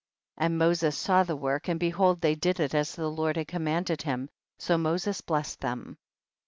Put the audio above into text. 37. And Moses saw the work, and behold they did it as the Lord had commanded him, so Moses blessed them.